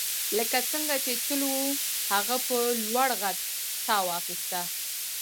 لکه څنګه چې تل وو هغه په لوړ غږ ساه واخیسته